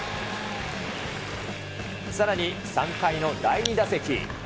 さらに３回の第２打席。